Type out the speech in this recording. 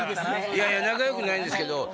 いやいや仲良くないんですけど。